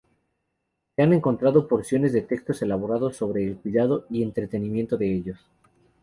Se han encontrado porciones de textos elaborados sobre el cuidado y entrenamiento de ellos.